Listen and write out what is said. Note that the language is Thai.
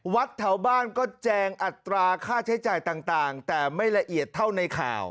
วัดแถวบ้านก็แจงอัตราค่าใช้จ่ายต่างแต่ไม่ละเอียดเท่าในข่าว